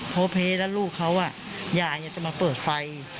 พอเพลละลูกเขาอ่ะยายจะมาเปิดไฟ